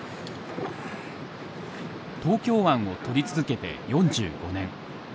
東京湾を撮り続けて４５年。